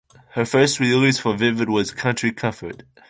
Her first release for Vivid was "Country Comfort".